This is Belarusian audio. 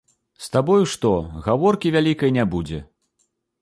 З табою што, гаворкі вялікай не будзе.